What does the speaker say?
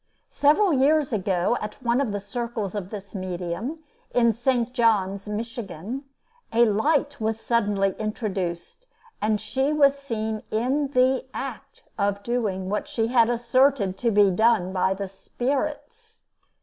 Several years ago, at one of the circles of this medium, in St. John's, Mich., a light was suddenly introduced, and she was seen in the act of doing what she had asserted to be done by the "spirits."